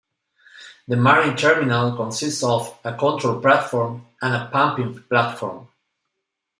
The Marine Terminal consists of a control platform and a pumping platform.